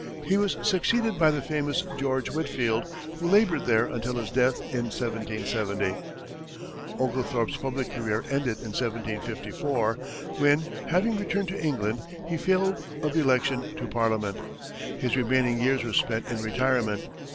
He was succeeded by the famous George Whitfield, who labored there until his death in 1770. Oglethorpe's public career ended in 1754, when, having returned to England, he failed of election to parliament. His remaining years were spent in retirement.